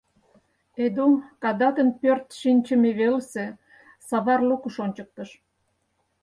— Эду Кадатын пӧрт шинчыме велысе савар лукыш ончыктыш.